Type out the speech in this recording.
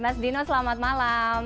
mas dino selamat malam